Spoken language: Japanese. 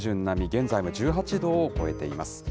現在も１８度を超えています。